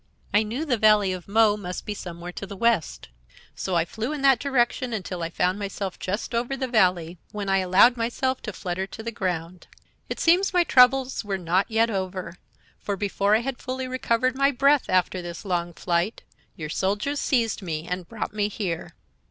I knew the Valley of Mo must be somewhere to the west; so I flew in that direction until I found myself just over the Valley, when I allowed myself to flutter to the ground. "It seems my troubles were not yet over; for, before I had fully recovered my breath after this long flight, your soldiers seized me and brought me here.